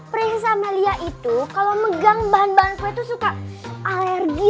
prins amalia itu kalo megang bahan bahan kue tuh suka alergi